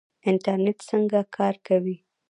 انټرنیټ څنګه کار کوي؟